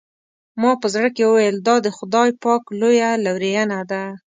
ما په زړه کې وویل دا د خدای پاک لویه لورېینه ده.